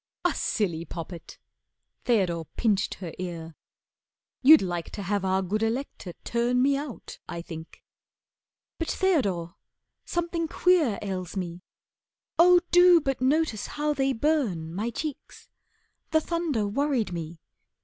"A silly poppet!" Theodore pinched her ear. "You'd like to have our good Elector turn Me out I think." "But, Theodore, something queer Ails me. Oh, do but notice how they burn, My cheeks! The thunder worried me.